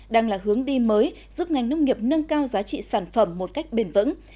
đang là hướng đi mới giúp ngành nông nghiệp nâng cao giá trị sản phẩm một cách bền vững